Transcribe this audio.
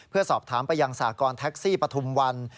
เพื่อสอบถามไปยังสากรแท็กซี่ปฐุมวัน